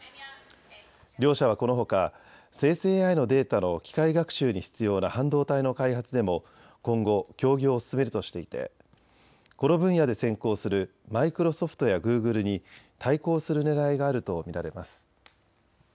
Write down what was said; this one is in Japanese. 両社はこのほか生成ＡＩのデータの機械学習に必要な半導体の開発でも今後、協業を進めるとしていてこの分野で先行するマイクロソフトやグーグルに対抗するねらいがあると見られます。